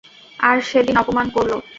আর সেদিন অপমান করলো।